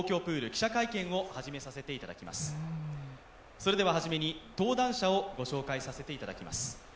それでは初めに、登壇者をご紹介させていただきます。